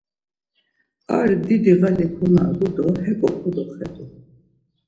Ar didi ğali konagu do heko kodoxedu.